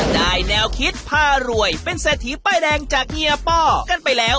แนวคิดพารวยเป็นเศรษฐีป้ายแดงจากเฮียป้อกันไปแล้ว